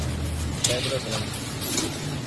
Pedra Branca